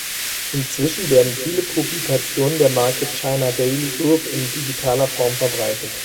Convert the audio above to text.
Inzwischen werden viele Publikationen der Marke "China Daily Group" in digitaler Form verbreitet.